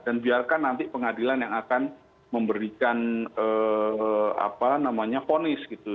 dan biarkan nanti pengadilan yang akan memberikan ponis gitu